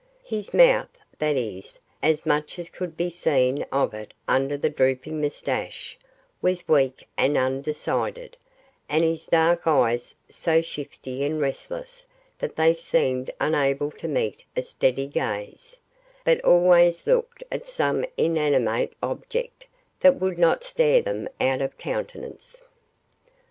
His mouth that is, as much as could be seen of it under the drooping moustache was weak and undecided, and his dark eyes so shifty and restless that they seemed unable to meet a steady gaze, but always looked at some inanimate object that would not stare them out of countenance.